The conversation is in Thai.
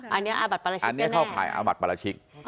อันนี้อาบัดปราชิกอันนี้เข้าข่ายอาบัติปราชิก